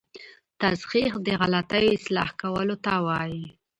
تصحیح د غلطیو اصلاح کولو ته وايي.